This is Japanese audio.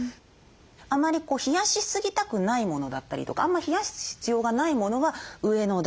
あまり冷やしすぎたくないものだったりとかあんま冷やす必要がないものは上の段。